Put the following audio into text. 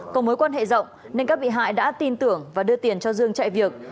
có mối quan hệ rộng nên các bị hại đã tin tưởng và đưa tiền cho dương chạy việc